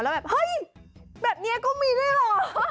แล้วแบบเฮ้ยแบบนี้ก็มีด้วยเหรอ